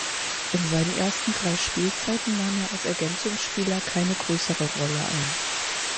In seinen ersten drei Spielzeiten nahm er als Ergänzungsspieler keine größere Rolle ein.